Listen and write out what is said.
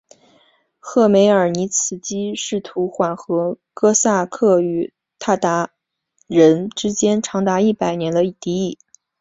赫梅尔尼茨基试图缓和哥萨克与鞑靼人之间长达一百年的敌意。